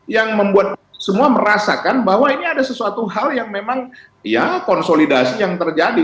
yang membuat semua merasakan bahwa ini ada sesuatu hal yang memang ya konsolidasi yang terjadi